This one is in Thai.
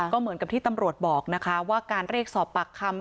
ก็เหมือนกับที่ตำรวจบอกนะคะว่าการเรียกสอบปากคำ